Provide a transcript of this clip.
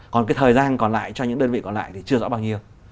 còn cái thời gian còn lại cho những đơn vị còn lại thì chưa rõ bao nhiêu